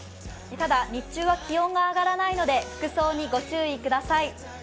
ただ、日中は気温が上がらないので、服装にご注意ください。